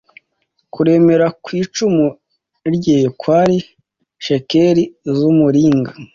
kuremera kw icumu rye kwari shekeli z umuringa